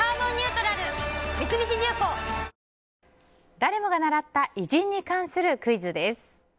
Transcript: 誰もが習った偉人に関するクイズです。